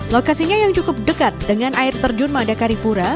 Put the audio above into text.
lokasinya yang cukup dekat dengan air terjun madakaripura